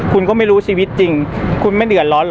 คุณก็ไม่รู้ชีวิตจริงคุณไม่เดือดร้อนเหรอ